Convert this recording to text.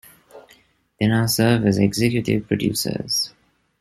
They now serve as executive producers.